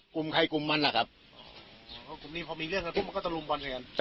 กลุ่มนี้พอมีเรื่องกันพวกมันก็ตะลุมบอลด้วยกัน